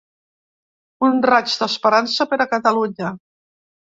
Un raig d’esperança per a Catalunya.